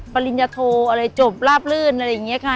ปริญญโทอะไรจบราบลื่นอะไรอย่างนี้ค่ะ